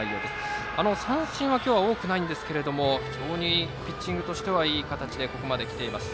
三振は今日は多くないんですが非常にピッチングとしてはいい形でここまで来ています。